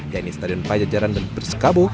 yang ini stadion pajajaran dan perskabo